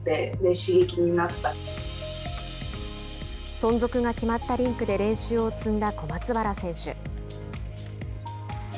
存続が決まったリンクで練習を積んだ小松原選手。